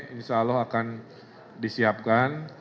insya allah akan disiapkan